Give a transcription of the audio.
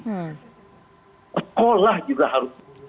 sekolah juga harus bisa